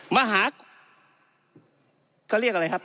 มาฮาร์ทก็เรียกอะไรครับ